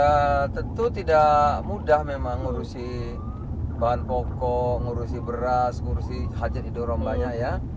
ya tentu tidak mudah memang ngurusi bahan pokok ngurusi beras ngurusi hajat didorong banyak ya